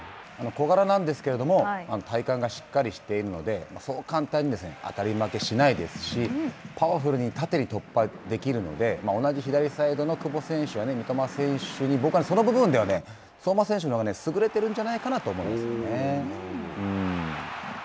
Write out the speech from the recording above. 小柄なんですけれども体幹がしっかりしているので、そう簡単に当たり負けしないですし、パワフルに縦に突破できるので、同じ左サイドの久保選手や三笘選手に僕はその部分では相馬選手のほうが優れているんじゃないかと思います。